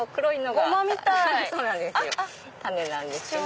種なんですけど。